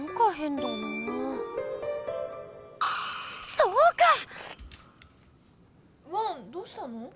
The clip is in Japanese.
ワンどうしたの？